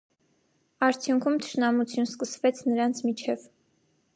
Արդյունքում թշնամություն սկսվեց նրանց միջև։